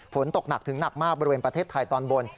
ฝนตกหนักถึงหนักมากบริเวณประเทศไทยตอนบน